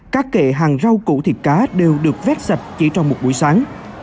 các kệ hàng rau củ thịt cá đều được vét sạch chỉ trong một buổi sáng